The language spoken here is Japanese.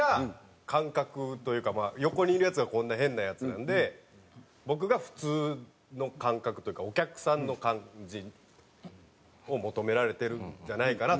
横にいるヤツがこんな変なヤツなんで僕が普通の感覚というかお客さんの感じを求められてるんじゃないかなと思います。